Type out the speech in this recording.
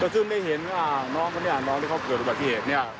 ซึ่งได้เห็นน้องที่เขาเกิดบัตรตีเหตุนี้